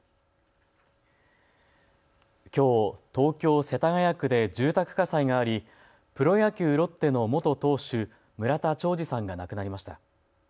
きょう東京、世田谷区で住宅火災がありプロ野球ロッテの元投手村田兆治さんが亡くなりました。